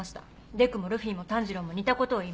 デクもルフィも炭治郎も似たことを言います。